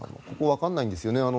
ここはわからないんですよね。